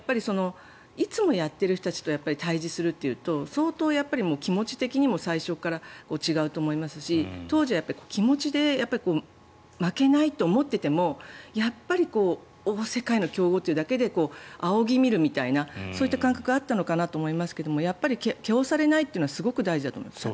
いつもやっている人たちと対峙するというと相当やっぱり気持ち的にも最初から違うと思いますし当時は気持ちで負けないと思っていてもやっぱり世界の強豪というだけで仰ぎ見るみたいなそういった感覚があったのかなと思いますが気おされないというのはすごく大事だと思います。